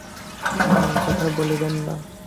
অমন কথা বলিবেন না।